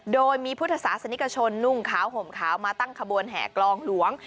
โดยมีพุทธศาสนิกชนนุ่งขาวห่มขาวมาตั้งขบวนแห่กลองหลวง